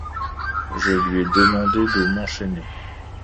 Je lui ai demandé de m'enchaîner.